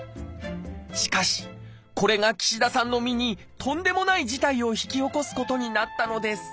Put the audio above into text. しかしこれが岸田さんの身にとんでもない事態を引き起こすことになったのです